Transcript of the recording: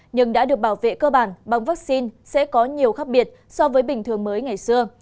nhưng đã được bảo vệ cơ bản bằng vaccine sẽ có nhiều khác biệt so với bình thường mới ngày xưa